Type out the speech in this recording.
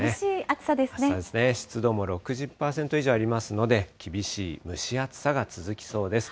暑さですね、湿度も６０％以上ありますので、厳しい蒸し暑さが続きそうです。